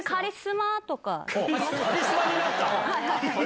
カリスマになった？